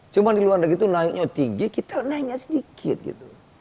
cuma di luar negeri itu naiknya tinggi kita naiknya sedikit gitu